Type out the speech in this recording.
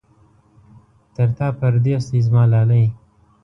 تر تا پردېس دی زما لالی.